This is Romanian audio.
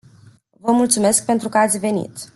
Vă mulțumesc pentru că ați venit.